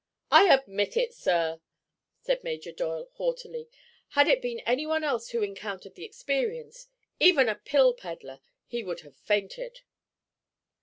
"I admit it, sir!" said Major Doyle, haughtily. "Had it been anyone else who encountered the experience—even a pill peddler—he would have fainted."